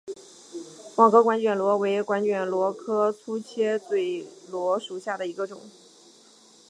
网格卷管螺为卷管螺科粗切嘴螺属下的一个种。